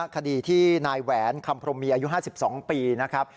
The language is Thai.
คดีที่นายแหวนคำพรมมีอายุ๕๒ปีนะครับ